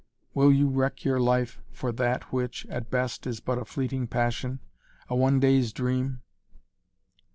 Will you wreck your life for that which, at best, is but a fleeting passion a one day's dream?"